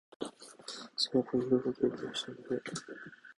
その後いろいろ経験の上、朝は飯櫃の上、夜は炬燵の上、天気のよい昼は縁側へ寝る事とした